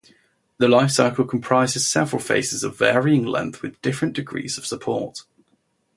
The life cycle comprises several phases of varying length with different degrees of support.